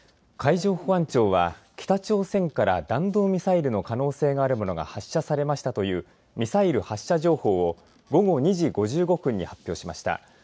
海上保安庁は北朝鮮から弾道ミサイルの可能性があるものが発射されましたというミサイル発射情報を午後２時５５分に発表しました。